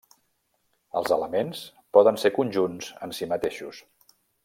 Els elements poden ser conjunts en si mateixos.